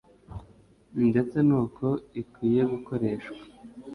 ndetse n'uko ikwiye gukoreshwa